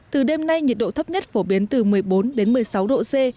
từ đêm nay nhiệt độ thấp nhất phổ biến từ một mươi bốn đến một mươi sáu độ c